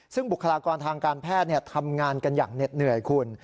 ซึ่งบุคลากรทางการแพทย์ทำงานกันอย่างเหน็ดเหนื่อยคุณ